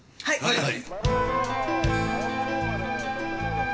はい！